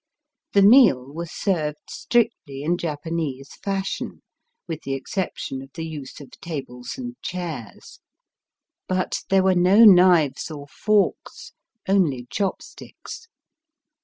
The meal was served strictly in Japanese fashion, with the exception of the use of tables and chairs ; but there were no knives or forks, only chop sticks.